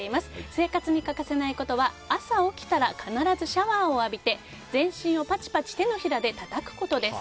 生活に欠かせないことは朝起きたら必ずシャワーを浴びて全身をパチパチ、手のひらでたたくことです。